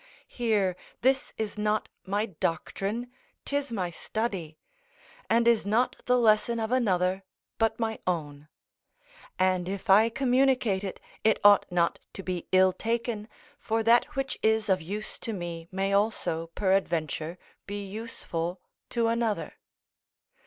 Here, this is not my doctrine, 'tis my study; and is not the lesson of another, but my own; and if I communicate it, it ought not to be ill taken, for that which is of use to me, may also, peradventure, be useful to another.